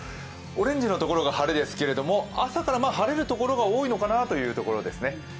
オレンジのところが晴れですけど朝から、晴れるところが多いのかなという感じですね。